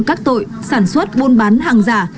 các tội sản xuất buôn bán hàng giả